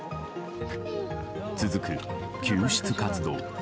続く救出活動。